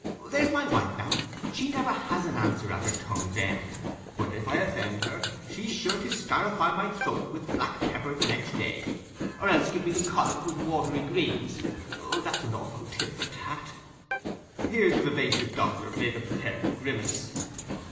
There's my wife now, she never has an answer at her tongue's end; but if I offend her, she's sure to scarify my throat with black pepper the next day, or else give me the colic with watery greens. That's an awful tit for tat." Here the vivacious doctor made a pathetic grimace.